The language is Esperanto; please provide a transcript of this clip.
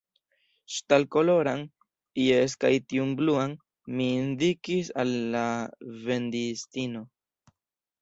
Ŝtalkoloran, jes, kaj tiun bluan, – mi indikis al la vendistino.